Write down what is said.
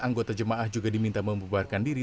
anggota jemaah juga diminta membubarkan diri